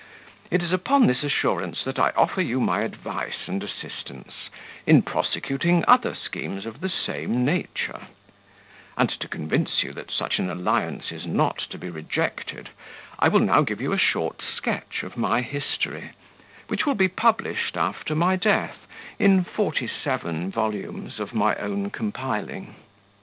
It is upon this assurance that I offer you my advice and assistance, in prosecuting other schemes of the same nature; and to convince you that such an alliance is not to be rejected, I will now give you a short sketch of my history, which will be published after my death, in forty seven volumes of my own compiling.